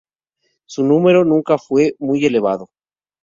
Su número nunca fue muy elevado.